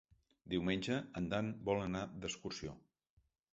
Diumenge en Dan vol anar d'excursió.